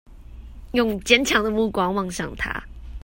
用堅強的目光望向他